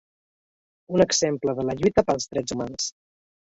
Un exemple de la lluita pels drets humans.